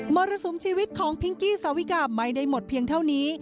รสุมชีวิตของพิงกี้สาวิกาไม่ได้หมดเพียงเท่านี้